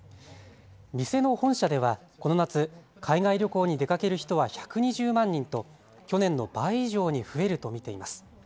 店の本社ではこの夏、海外旅行に出かける人は１２０万人と去年の倍以上に増えると見ています。